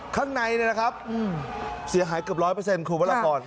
ข้างในเนี่ยนะครับเสียหายเกือบ๑๐๐คุณวรพร